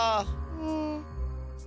うん。